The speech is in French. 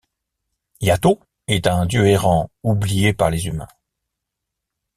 Yato est un dieu errant oublié par les humains.